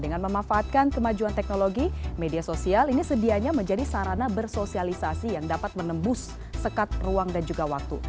dengan memanfaatkan kemajuan teknologi media sosial ini sedianya menjadi sarana bersosialisasi yang dapat menembus sekat ruang dan juga waktu